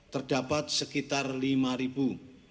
terdapat sekitar lima warga yang dilakukan